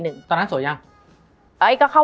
มันทำให้ชีวิตผู้มันไปไม่รอด